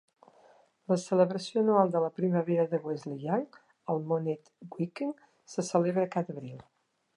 La celebració anual de la primavera de Wesleyan, el Monnett Weekend, se celebra cada abril.